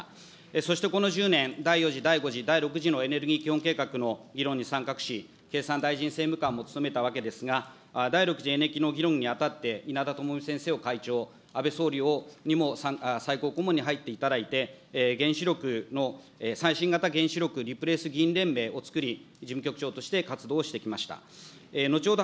そしてこの１０年、第４次、第５次、第６次のエネルギー基本計画の議論に参画し、経産大臣政務官も務めたわけですが、第６次エネルギー政策の稲田朋美先生を会長、安倍総理にも最高顧問に入っていただいて、原子力の、最新型原子力、リプレース議員連盟を作り、事務局長として議論してきました。